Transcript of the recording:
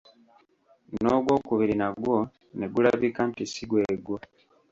N'ogw'okubiri nagwo ne gulabika nti si gwe gwo.